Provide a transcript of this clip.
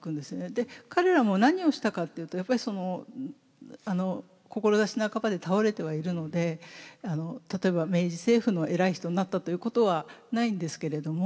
で彼らも何をしたかっていうとやっぱり志半ばで倒れてはいるので例えば明治政府の偉い人になったということはないんですけれども。